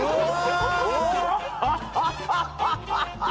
ハハハハ！